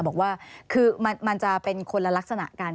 บอกว่าคือมันจะเป็นคนละลักษณะกัน